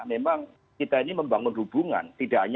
memang kita ini membangun perjalanan yang sangat bergantung